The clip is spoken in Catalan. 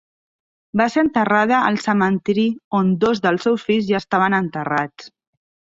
Va ser enterrada al cementiri on dos dels seus fills ja estaven enterrats.